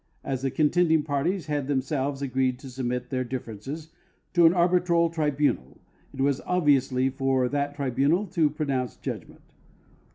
As the con tending parties had themselves agreed to submit their differences to an arbitral tribunal, it was obviously for that tribunal to pro nounce judgment.